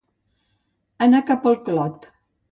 Anar cap al Clot.